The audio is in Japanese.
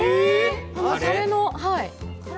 たれの。